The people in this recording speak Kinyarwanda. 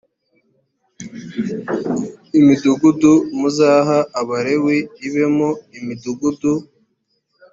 imidugudu muzaha abalewi ibemo imidugudu